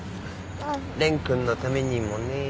蓮くんのためにもね。